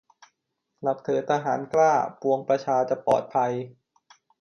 หลับเถิดทหารกล้า ปวงประชาจะปลอดภัย